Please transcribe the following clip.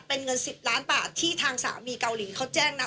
เป็นเงิน๑๐ล้านบาทที่ทางสามีเกาหลีเขาแจ้งนะ